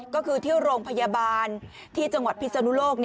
ก็คือที่โรงพยาบาลที่จังหวัดพิศนุโลก